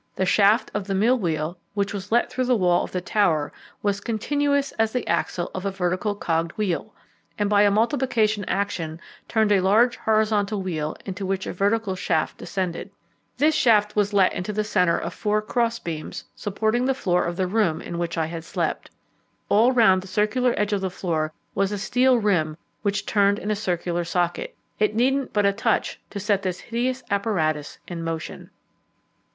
The shaft of the mill wheel which was let through the wall of the tower was continuous as the axle of a vertical cogged wheel, and by a multiplication action turned a large horizontal wheel into which a vertical shaft descended. This shaft was let into the centre of four crossbeams, supporting the floor of the room in which I had slept. All round the circular edge of the floor was a steel rim which turned in a circular socket. It needed but a touch to set this hideous apparatus in motion.